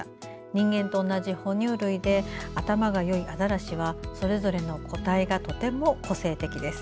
人間と同じ哺乳類で頭がよいアザラシはそれぞれの個体がとても個性的です。